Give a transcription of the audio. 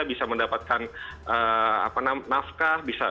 bisa mendapatkan nafkah